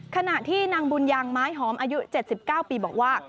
ขณะที่นางบุญยางไม้หอมอายุ๗๙ปีบอกว่า